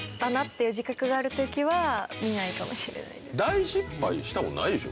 大失敗したことないでしょ？